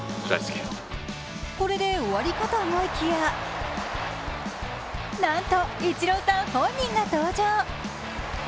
これで終わりかと思いきやなんと、イチローさん本人が登場。